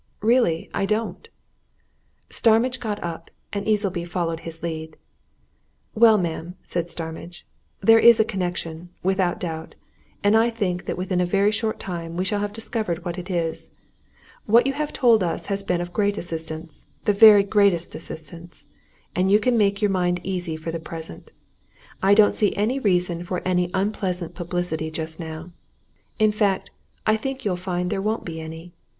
"Really, I don't!" Starmidge got up, and Easleby followed his lead. "Well, ma'am," said Starmidge, "there is a connection, without doubt, and I think that within a very short time we shall have discovered what it is. What you have told us has been of great assistance the very greatest assistance. And you can make your mind easy for the present I don't see any reason for any unpleasant publicity just now in fact, I think you'll find there won't be any.